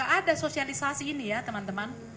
ada sosialisasi ini ya teman teman